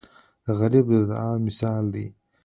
غریب د دعاو مثال دی